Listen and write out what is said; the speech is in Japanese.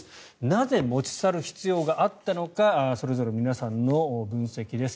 なぜ、持ち去る必要があったのかそれぞれ皆さんの分析です。